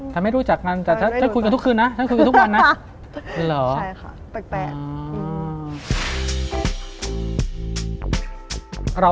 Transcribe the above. ไม่รู้จักกันแต่ถ้าคุยกันทุกคืนนะฉันคุยกันทุกวันนะ